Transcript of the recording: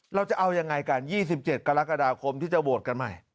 เราจะเอายังไงกัน๒๗กรกฎาคมที่จะโหวตกันใหม่